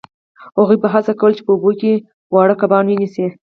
هغوی به هڅه کوله چې په اوبو کې واړه کبان ونیسي